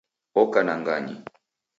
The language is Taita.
Oka na ng'anyi